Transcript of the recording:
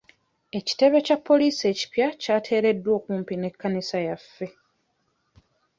Ekitebe kya poliisi ekipya kyateereddwa okumpi n'ekkanisa yaffe.